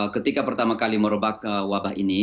ketika pertama kali merubah ke wabah ini